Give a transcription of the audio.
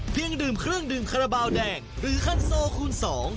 ดื่มเครื่องดื่มคาราบาลแดงหรือคันโซคูณสอง